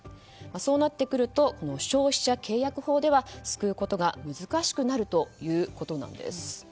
そうなってくると消費者契約法では救うことが難しくなるということなんです。